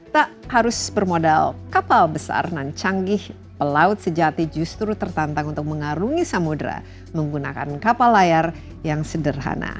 tak harus bermodal kapal besar dan canggih pelaut sejati justru tertantang untuk mengarungi samudera menggunakan kapal layar yang sederhana